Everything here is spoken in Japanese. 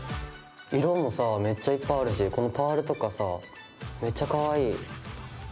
色もさめっちゃいっぱいあるしこのパールとかさめっちゃかわいい！